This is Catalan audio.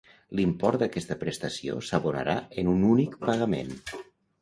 L'import d'aquesta prestació s'abonarà en un únic pagament.